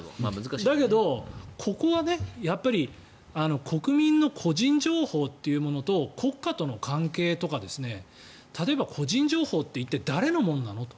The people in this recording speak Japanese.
だけどここはやっぱり国民の個人情報というものと国家との関係とか例えば個人情報って一体、誰のものなのと。